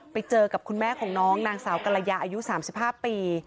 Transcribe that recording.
ไปเจอกับคุณแม่ของน้องนางสาวกรยาอายุ๓๕ปี